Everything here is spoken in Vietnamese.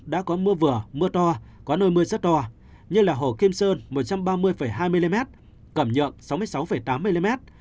đã có mưa vừa mưa to có nơi mưa rất to như là hồ kim sơn một trăm ba mươi hai mm cẩm nhượng sáu mươi sáu tám mm